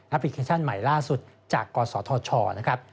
พลิเคชันใหม่ล่าสุดจากกศธชนะครับ